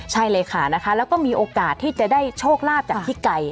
ใช่เลยค่ะนะคะแล้วก็มีโอกาสที่จะได้โชคลาภจากพี่ไก่